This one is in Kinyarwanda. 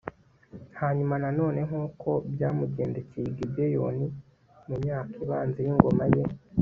hanyuma nanone nk'uko byamugendekeye i gibeyoni mu myaka ibanza y'ingoma ye